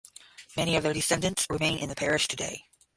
Many of their descendants remain in the parish today.